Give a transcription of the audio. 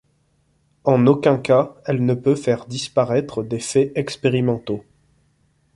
En aucun cas, elle ne peut faire disparaître des faits expérimentaux.